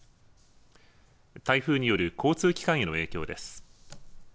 台風による交通機関への影響です。